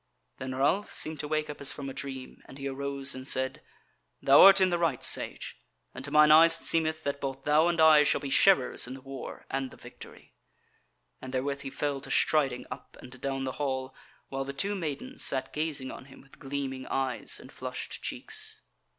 Then Ralph seemed to wake up as from a dream, and he arose, and said: "Thou art in the right, Sage, and to mine eyes it seemeth that both thou and I shall be sharers in the war and the victory." And therewith he fell to striding up and down the hall, while the two maidens sat gazing on him with gleaming eyes and flushed cheeks.